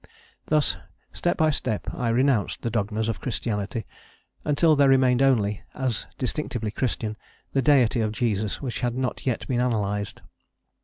Thus, step by step, I renounced the dogmas of Christianity until there remained only, as distinctively Christian, the Deity of Jesus which had not yet been analysed.